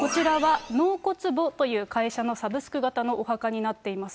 こちらは納骨墓という会社のサブスク型のお墓になっています。